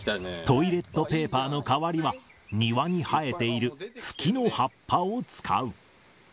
トイレットペーパーの代わりは、庭に生えているふきの葉っぱを使う。